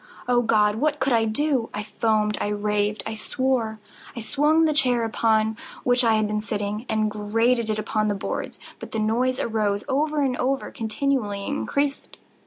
Oh God! what could I do? I foamed—I raved—I swore! I swung the chair upon which I had been sitting, and grated it upon the boards, but the noise arose over all and continually increased.